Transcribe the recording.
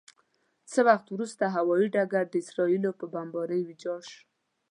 څه وخت وروسته هوايي ډګر د اسرائیلو په بمبارۍ ویجاړ شو.